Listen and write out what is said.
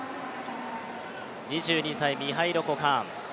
２２歳、ミハイロ・コカーン。